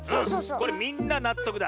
これみんななっとくだ。